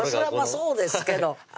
そうですけどあ